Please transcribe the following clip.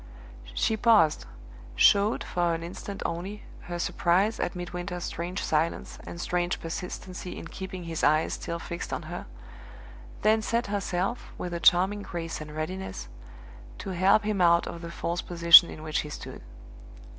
She paused showed, for an instant only, her surprise at Midwinter's strange silence and strange persistency in keeping his eyes still fixed on her then set herself, with a charming grace and readiness, to help him out of the false position in which he stood.